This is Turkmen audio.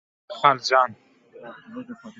- Haljan!